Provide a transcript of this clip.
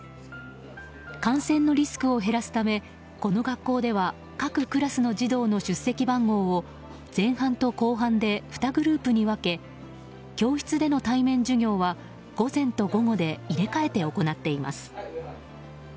感染のリスクを減らすためこの学校では各クラスの児童の出席番号を前半と後半で２グループに分け教室での対面授業は午前と午後で入れ替えて行っています。